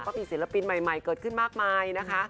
มีศิลปินใหม่เกิดขึ้นมากมายนะคะ